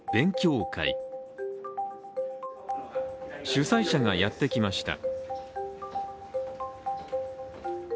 主催者がやってきました。